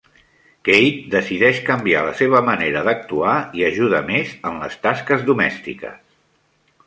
Keith decideix canviar la seva manera d'actuar i ajuda més en les tasques domèstiques.